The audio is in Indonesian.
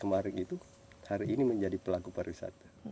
kemarin itu hari ini menjadi pelaku pariwisata